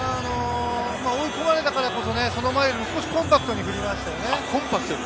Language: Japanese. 追い込まれたからこそ、その前の、少しコンパクトに振りましたよね。